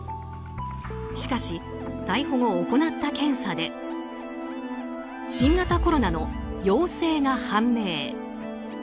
しかし、逮捕後行った検査で新型コロナの陽性が判明。